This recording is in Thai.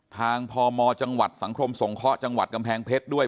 พมจังหวัดสังคมสงเคราะห์จังหวัดกำแพงเพชรด้วย